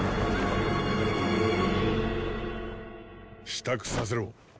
支度させろ。